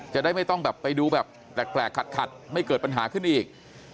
จะได้ไม่ต้องแบบไปดูแบบแปลกขัดไม่เกิดปัญหาขึ้นอีก